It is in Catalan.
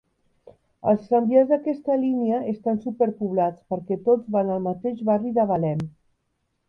Els tramvies d'aquesta línia estan superpoblats perquè tots van al mateix barri de Belem.